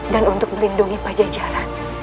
dan untuk melindungi pajajaran